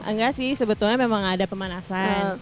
enggak sih sebetulnya memang ada pemanasan